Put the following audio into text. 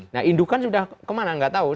nah indu kan sudah kemana nggak tahu